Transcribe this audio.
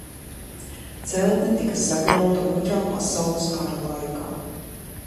Celtne tika sagrauta Otrā pasaules kara laikā.